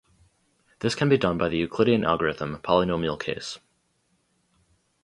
This can be done by the Euclidean algorithm, polynomial case.